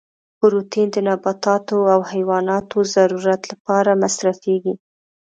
پروتین د نباتاتو او حیواناتو د ضرورت لپاره مصرفیږي.